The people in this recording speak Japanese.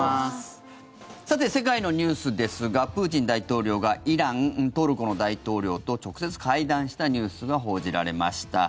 さて世界のニュースですがプーチン大統領がイラン、トルコの大統領と直接会談したニュースが報じられました。